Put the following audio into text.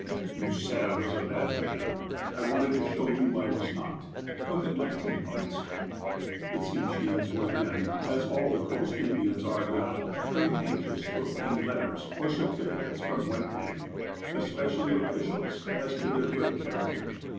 " You said I was a bad man. I wanted to show you I was not. Look at my * teapots.' " The Tsimsheans were then, as all the coast Indians are now, very anxious to obtain letters or certificates from white men, especially officials, as to their good character.